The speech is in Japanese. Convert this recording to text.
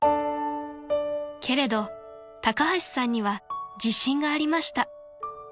［けれど高橋さんには自信がありました］